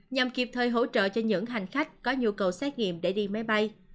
nhằm kịp thời hỗ trợ cho những hành khách có nhu cầu xét nghiệm để đi máy bay